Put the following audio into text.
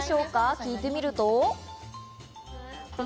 聞いてみると。